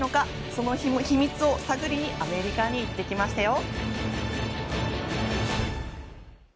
その秘密を探りにアメリカに行ってきましたよ！